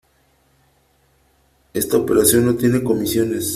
Esta operación no tiene comisiones